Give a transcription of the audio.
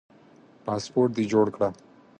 پاسپورټ دي جوړ کړه